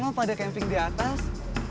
oh pada camping di atas